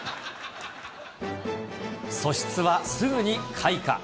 素質はすぐに開花。